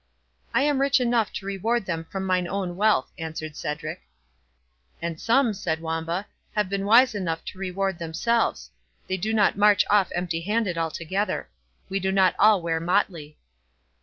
"I am rich enough to reward them from mine own wealth," answered Cedric. "And some," said Wamba, "have been wise enough to reward themselves; they do not march off empty handed altogether. We do not all wear motley."